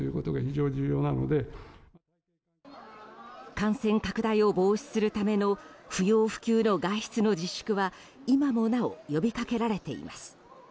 感染拡大を防止するための不要不急の外出の自粛は今もなお呼びかけられています。